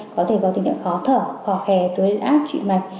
có thể có tình trạng khó thở khó khè tối láp trụi mạch